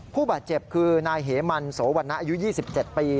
ผู้บาดเจ็บคือนายเหมันโสวรรณะอายุ๒๗ปี